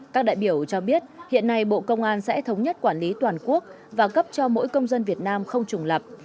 các đại biểu cho biết hiện nay bộ công an sẽ thống nhất quản lý toàn quốc và cấp cho mỗi công dân việt nam không trùng lập